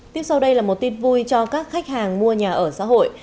tiếp sau đây là một tin vui cho các khách hàng mua nhà ở xã hội